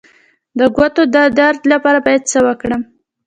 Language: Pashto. د ګوتو د درد لپاره باید څه وکړم؟